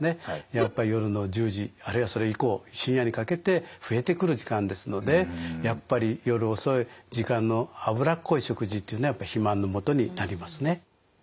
やっぱり夜の１０時あるいはそれ以降深夜にかけて増えてくる時間ですのでやっぱり夜遅い時間の脂っこい食事というのはやっぱり肥満のもとになりますね。